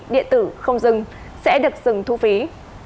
điện tử không dừng sẽ được dừng thu phí